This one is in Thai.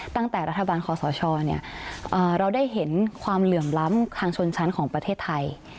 ตั้งแต่รัฐบาลคอสชเราได้เห็นความเหลื่อมล้ำทางชนชั้นของประเทศไทย